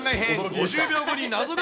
５０秒後に謎が！